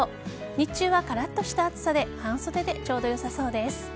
日中はカラッとした暑さで半袖でちょうどよさそうです。